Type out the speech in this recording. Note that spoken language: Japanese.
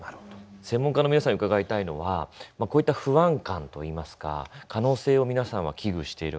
専門家の皆さんに伺いたいのはこういった不安感といいますか可能性を皆さんは危惧している。